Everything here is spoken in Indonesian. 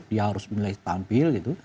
dia harus mulai tampil gitu